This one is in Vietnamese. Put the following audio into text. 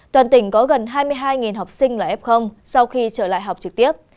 toàn tỉnh có gần hai mươi hai học sinh là f sau khi trở lại học trực tiếp